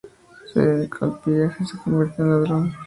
Se dedicó al pillaje y se convirtió en ladrón.